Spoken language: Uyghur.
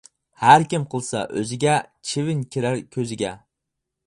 ھەركىم قىلسا ئۆزىگە، چىۋىن كىرەر كۆزىگە!